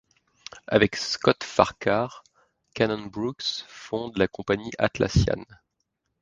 Avec Scott Farquhar, Cannon-Brookes fonde la compagnie Atlassian.